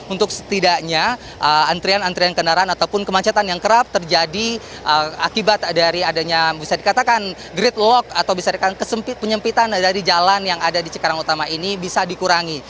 untuk setidaknya antrian antrian kendaraan ataupun kemacetan yang kerap terjadi akibat dari adanya bisa dikatakan gridlock atau bisa dikatakan penyempitan dari jalan yang ada di cikarang utama ini bisa dikurangi